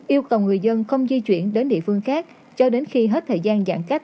một mươi sáu yêu cầu người dân không di chuyển đến địa phương khác cho đến khi hết thời gian giãn cách